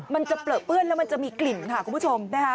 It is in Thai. มันจะเปลือเปื้อนแล้วมันจะมีกลิ่นค่ะคุณผู้ชมนะคะ